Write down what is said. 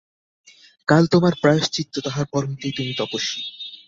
কাল তোমার প্রায়শ্চিত্ত–তাহার পর হইতেই তুমি তপস্বী।